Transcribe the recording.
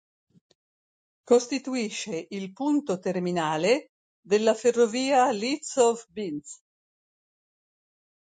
Costituisce il punto terminale della ferrovia Lietzow-Binz.